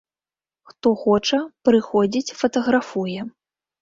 Хто хоча, прыходзіць, фатаграфуе.